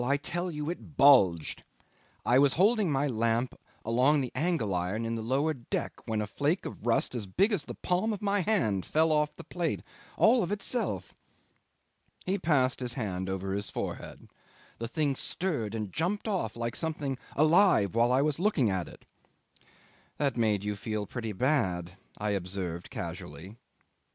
I tell you it bulged. I was holding up my lamp along the angle iron in the lower deck when a flake of rust as big as the palm of my hand fell off the plate, all of itself." He passed his hand over his forehead. "The thing stirred and jumped off like something alive while I was looking at it." "That made you feel pretty bad," I observed casually.